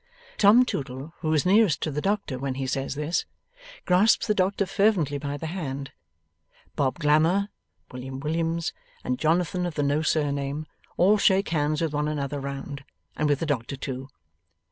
Tom Tootle, who is nearest to the doctor when he says this, grasps the doctor fervently by the hand. Bob Glamour, William Williams, and Jonathan of the no surname, all shake hands with one another round, and with the doctor too.